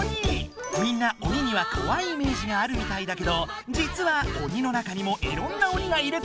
みんな鬼にはこわいイメージがあるみたいだけどじつは鬼の中にもいろんな鬼がいるって知ってた？